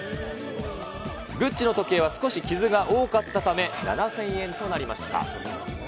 グッチの時計は少し傷が多かったため、７０００円となりました。